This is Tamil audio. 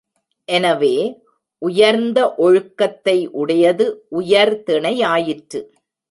எனவே, உயர்ந்த ஒழுக்கத்தை உடையது உயர்திணையாயிற்று.